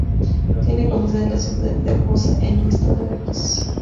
Tiene como sede la ciudad de Poza Rica en el Estado de Veracruz.